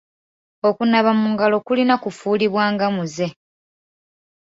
Okunaaba mu ngalo kulina kufuulibwa nga muze.